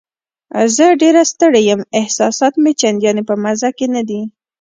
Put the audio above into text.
زه ډېره ستړې یم، احساسات مې چندان په مزه کې نه دي.